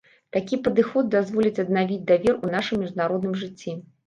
Такі падыход дазволіць аднавіць давер у нашым міжнародным жыцці.